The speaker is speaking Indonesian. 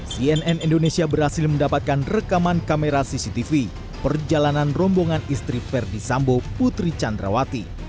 cnn indonesia berhasil mendapatkan rekaman kamera cctv perjalanan rombongan istri verdi sambo putri candrawati